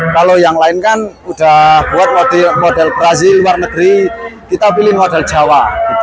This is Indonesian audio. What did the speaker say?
kalau yang lain kan udah buat model brazil luar negeri kita pilih model jawa